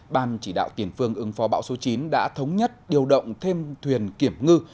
ban chỉ đạo tiền phương ứng phó bão số chín đã thống nhất điều động thêm thuyền kiểm ngư